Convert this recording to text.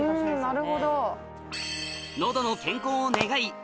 喉の健康を願い